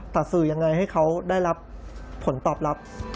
สื่อยังไงให้เขาได้รับผลตอบรับ